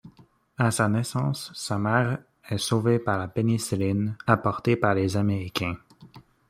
À sa naissance, sa mère est sauvée par la pénicilline apportée par les Américains.